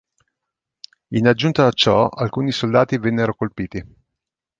In aggiunta a ciò, alcuni soldati vennero colpiti.